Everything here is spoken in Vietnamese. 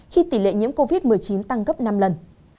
khi tỷ lệ nhiễm covid một mươi chín tăng gấp năm lần